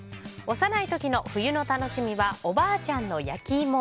幼い時の冬の楽しみはおばあちゃんの焼き芋。